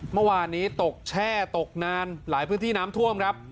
เมื่อวานนี้ตกแช่ตกนานหลายพื้นที่น้ำท่วมครับ